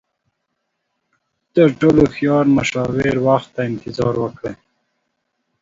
تر ټولو هوښیار مشاور، وخت ته انتظار وکړئ.